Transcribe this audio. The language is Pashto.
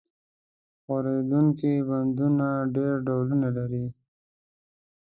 ښورېدونکي بندونه ډېر ډولونه لري.